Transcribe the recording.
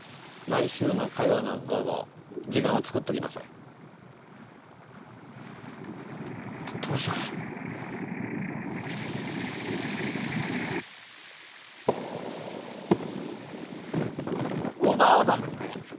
来週の火曜の午後時間をつくっときなさいとと父さん大庭蒼生さんですね？